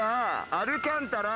アルカンタラ。